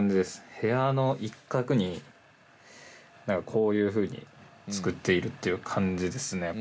部屋の一角にこういうふうに作っているっていう感じですね。